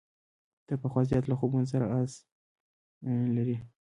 تر پخوا زیات له خوبونو سره انس لري.